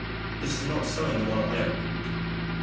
This is not so in the one I opened.